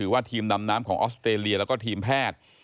ว่าทีมดำน้ำของออสเตรเลียแล้วก็ทีมแพทย์